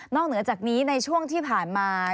เหนือจากนี้ในช่วงที่ผ่านมา